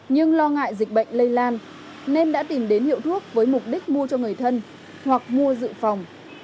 nhưng lo ngại dịch bệnh lây lan nên đã tìm đến hiệu thuốc với mục đích mua cho người thân hoặc mua dự phòng